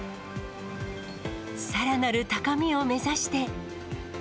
さらなる高みを目指して。